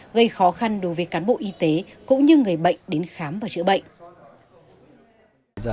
gây khó khăn đối với cán bộ y tế cũng như người bệnh đến khám và chữa bệnh